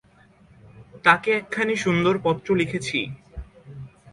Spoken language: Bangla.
তাঁকে একখানি সুন্দর পত্র লিখেছি।